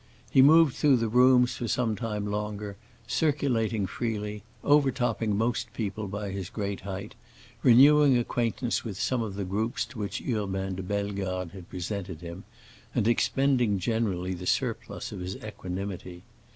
He moved through the rooms for some time longer, circulating freely, overtopping most people by his great height, renewing acquaintance with some of the groups to which Urbain de Bellegarde had presented him, and expending generally the surplus of his equanimity.